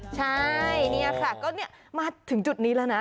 ใช่นี่ค่ะก็มาถึงจุดนี้แล้วนะ